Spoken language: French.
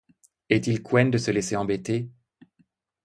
est-il couenne de se laisser embêter !